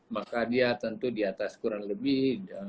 maka dia tentu di atas kurang lebih